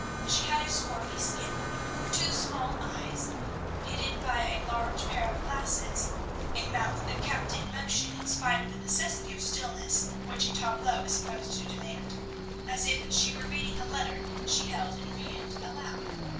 She had a swarthy skin, two small eyes, hidden by a large pair of glasses, a mouth that kept in motion in spite of the necessity of stillness which a tableau is supposed to demand, as if she were reading the letter she held in her hand aloud.